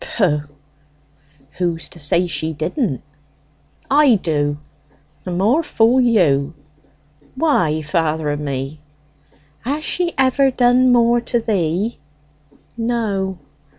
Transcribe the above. Pooh!" "Who's to say she didn't?" "I do." "The more fool you." "Why, father of me?" "Has she ever done more to thee?" "No."